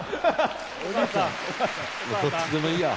もうどっちでもいいや。